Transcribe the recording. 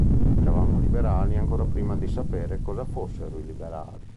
Eravamo liberali ancora prima di sapere cosa fossero, i liberali".